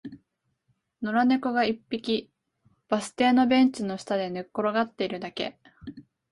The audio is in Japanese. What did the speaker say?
野良猫が一匹、バス停のベンチの下で寝転がっているだけ